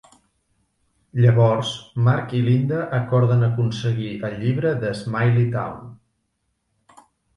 Llavors, Mark i Linda acorden aconseguir el llibre de Smiley Town.